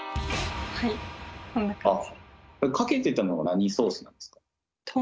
はいこんな感じで。